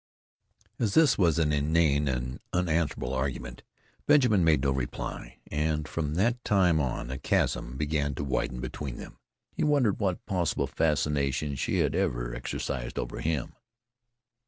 As this was an inane and unanswerable argument Benjamin made no reply, and from that time on a chasm began to widen between them. He wondered what possible fascination she had ever exercised over him.